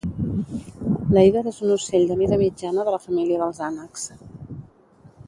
L'èider és un ocell de mida mitjana de la família dels ànecs